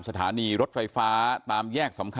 สวัสดีคุณผู้ชมครับสวัสดีคุณผู้ชมครับ